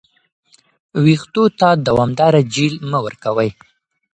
ویښتو ته دوامداره جیل مه ورکوه.